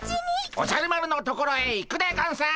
おじゃる丸のところへ行くでゴンス！